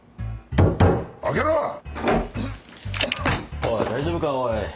おい大丈夫かおい。